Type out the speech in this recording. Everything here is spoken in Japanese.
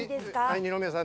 二宮さん